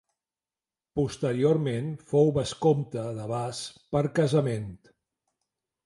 Posteriorment fou vescomte de Bas per casament.